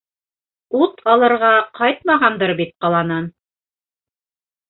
- Ут алырға ҡайтмағандыр бит ҡаланан?